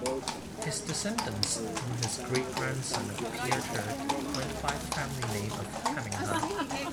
His descendants through his great grandson Pieter went by the family name of Cammingha.